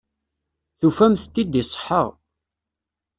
Tufamt-t-id iṣeḥḥa.